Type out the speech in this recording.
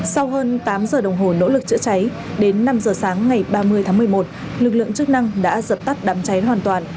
sau hơn tám giờ đồng hồ nỗ lực chữa cháy đến năm giờ sáng ngày ba mươi tháng một mươi một lực lượng chức năng đã dập tắt đám cháy hoàn toàn